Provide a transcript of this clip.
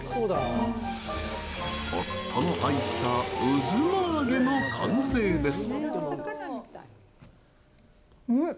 夫の愛した「うづまあげ」の完成です！